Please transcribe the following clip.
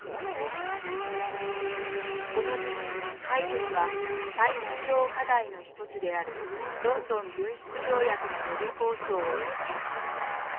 この時期海軍は最重要課題の一つであるロンドン軍縮条約の予備交渉を控えていた。